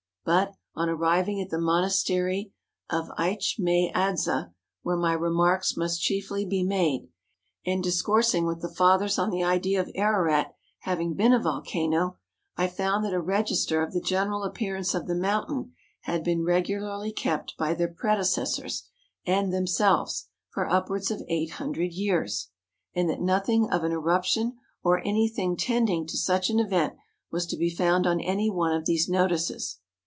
But, on arriving at the monastery of Eitch mai adza, where my remarks must chiefly be made, and discoursing with the fathers on the idea of Ararat having been a volcano, I found that a register of the general appearance of the mountain had been regularly kept by their pre¬ decessors and themselves, for upwards of eight hun¬ dred years ; and that nothing of an eruption, or any thing tending to such an event, was to be found on any one of these notices.